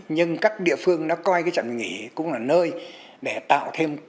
nhưng các địa phương nó coi cái trạm dừng nghỉ cũng là nơi để tạo thêm